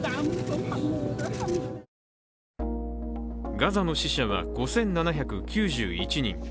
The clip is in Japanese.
ガザの死者は５７９１人。